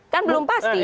kan belum pasti